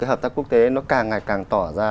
hợp tác quốc tế càng ngày càng tỏ ra